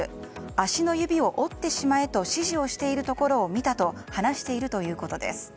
足の指を折ってしまえと指示をしているところを見たと話しているということです。